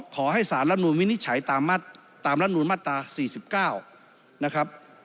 ขอให้สารรับนูลวินิจฉัยตามรัฐมนูลมาตรา๔๙นะครับ